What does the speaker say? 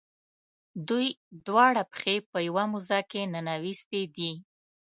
دوی دواړه پښې په یوه موزه کې ننویستي دي.